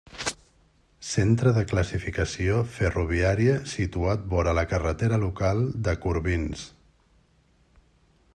Centre de classificació ferroviària situat vora la carretera local de Corbins.